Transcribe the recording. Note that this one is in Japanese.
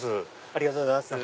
ありがとうございます。